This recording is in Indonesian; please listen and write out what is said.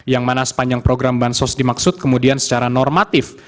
yang mana sepanjang program bansos dimaksud kemudian secara normatif